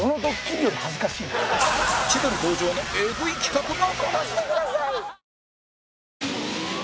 千鳥登場のエグい企画が！